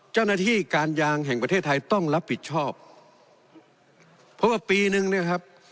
เจ้าหน้าที่การยางแห่งประเทศไทยต้องรับผิดชอบเพราะว่าปีนึงเนี่ยครับ